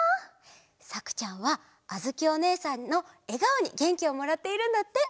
さくちゃんはあづきおねえさんのえがおにげんきをもらっているんだって！